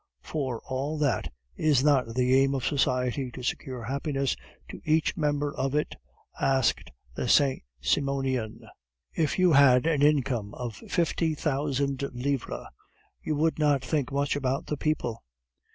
"For all that, is not the aim of society to secure happiness to each member of it?" asked the Saint Simonian. "If you had an income of fifty thousand livres, you would not think much about the people.